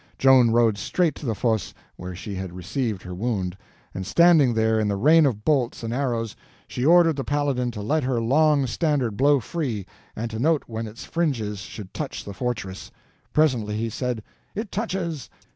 Joan rode straight to the fosse where she had received her wound, and standing there in the rain of bolts and arrows, she ordered the Paladin to let her long standard blow free, and to note when its fringes should touch the fortress. Presently he said: "It touches."